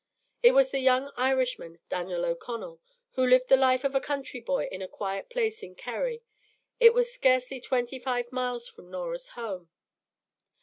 It was the young Irishman, Daniel O'Connell, who lived the life of a country boy in a quiet place in Kerry. It was scarcely twenty five miles from Norah's home.